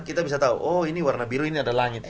kita bisa tahu oh ini warna biru ini ada langit